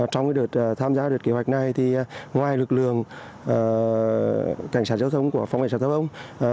trong đợt tham gia đợt kế hoạch này ngoài lực lượng cảnh sát giao thông của phòng cảnh sát giao thông